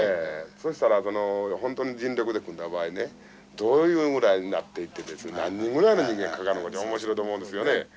そしたら本当に人力で組んだ場合ねどういうぐらいになっていって何人ぐらいの人間かかるのかて面白いと思うんですよね。